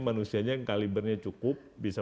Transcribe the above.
manusianya yang kalibernya cukup bisa